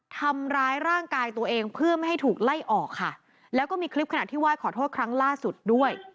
ทำร้ายร่างกายตัวเองเพื่อไม่ให้ถูกไล่ออกค่ะแล้วก็มีคลิปขณะที่ไหว้ขอโทษครั้งล่าสุดด้วย